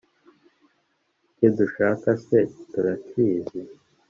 icyo dushaka se turacyizi’